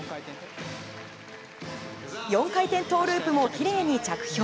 ４回転トウループもきれいに着氷。